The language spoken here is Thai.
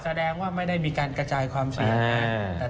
แสดงว่าไม่ได้มีการกระจายความเสียหาย